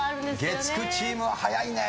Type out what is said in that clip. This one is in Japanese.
月９チームは早いね。